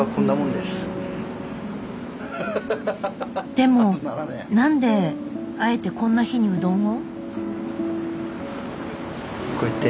でも何であえてこんな日にうどんを？